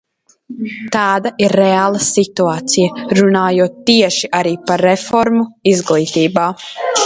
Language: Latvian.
Tāda ir reālā situācija, runājot tieši arī par reformu izglītībā.